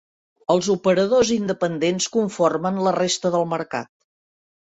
Els operadors independents conformen la resta del mercat.